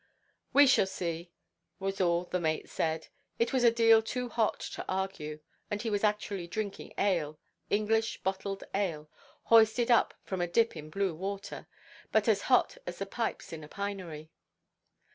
"We shall see," was all the mate said. It was a deal too hot to argue, and he was actually drinking ale, English bottled ale, hoisted up from a dip in blue water, but as hot as the pipes in a pinery.